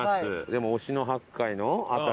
でも忍野八海の辺り。